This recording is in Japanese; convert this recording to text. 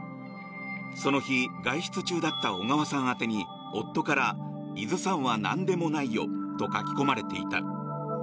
その日、外出中だった小川さん宛てに夫から伊豆山は、なんでもないよと書き込まれていた。